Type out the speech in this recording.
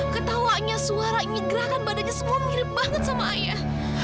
ketawanya suara ngegerahkan badannya semua mirip banget sama ayah